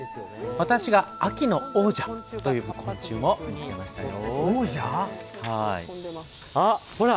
私が秋の王者と呼ぶ昆虫も見つけましたよ。